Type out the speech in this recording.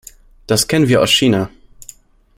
Das kennen wir aus China.